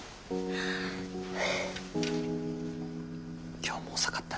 今日も遅かったね。